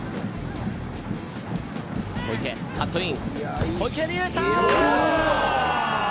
小池、カットイン。